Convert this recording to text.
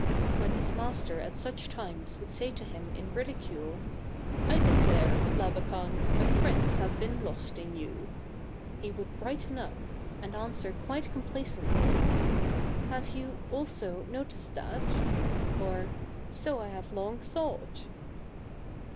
When his master at such times would say to him in ridicule, " I declare, Labakan, a prince has been lost in you," he would brighten up, and answer quite complacently, "Have you, also, noticed that ?" or, " So 1 have long thought."